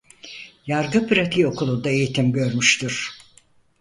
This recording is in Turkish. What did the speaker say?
Yargı Pratiği Okulu'nda eğitim görmüştür.